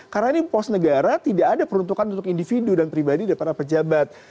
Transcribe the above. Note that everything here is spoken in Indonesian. karena ini pos negara tidak ada peruntukan untuk individu dan pribadi daripada pejabat